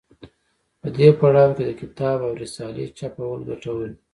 په دې پړاو کې د کتاب او رسالې چاپول ګټور دي.